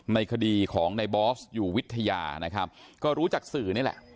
ในคดีของในบอสอยู่วิทยานะครับก็รู้จากสื่อนี่แหละ